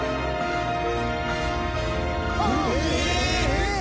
えっ！？